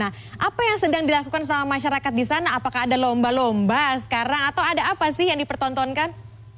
nah apa yang sedang dilakukan sama masyarakat di sana apakah ada lomba lomba sekarang atau ada apa sih yang dipertontonkan